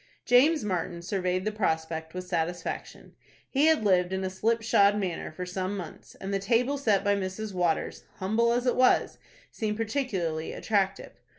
James Martin surveyed the prospect with satisfaction. He had lived in a slip shod manner for some months, and the table set by Mrs. Waters, humble as it was, seemed particularly attractive.